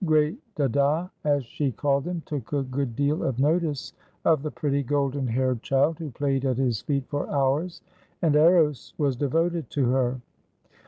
"Great dada," as she called him, took a good deal of notice of the pretty, golden haired child who played at his feet for hours, and Eros was devoted to her.